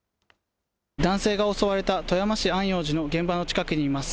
男性が襲われた富山市安養寺の現場の近くにいます。